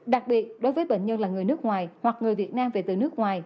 đặc biệt đối với bệnh nhân là người nước ngoài hoặc người việt nam về từ nước ngoài